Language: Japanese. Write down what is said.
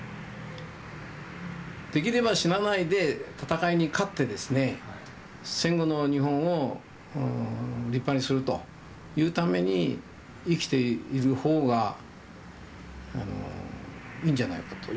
できれば死なないで戦いに勝ってですね戦後の日本を立派にするというために生きている方がいいんじゃないかというふうに思ったですよね。